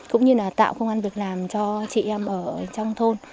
cũng như là tạo công an việc làm cho chị em ở trong thôn